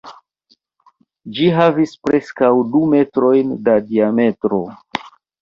Ĝi havis preskaŭ du metrojn da diametro.